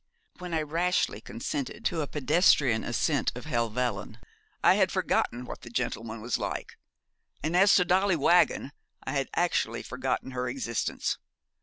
When I rashly consented to a pedestrian ascent of Helvellyn I had forgotten what the gentleman was like; and as to Dolly Waggon I had actually forgotten her existence.